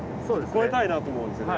超えたいなと思うんですよね。